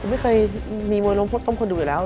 ไม่เคยมีมวยล้มพดต้มคนดูอยู่แล้ว